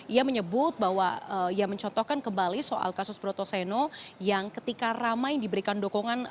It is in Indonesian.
ia menyebut bahwa ia mencontohkan kembali soal kasus broto seno yang ketika ramai diberikan dukungan